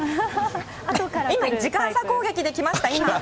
今、時間差攻撃で来ました、今。